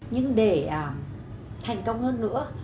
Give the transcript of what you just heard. nhưng để thành công hơn nữa